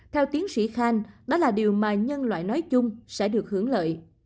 theo tiến sĩ khanh đó là điều mà nhân loại nói chung sẽ được hướng lợi